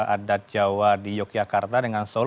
adat jawa di yogyakarta dengan solo